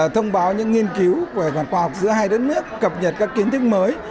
thông báo những nghiên cứu về mặt khoa học giữa hai đất nước cập nhật các kiến thức mới